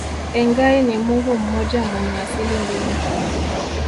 Engai ni Mungu mmoja mwenye asili mbili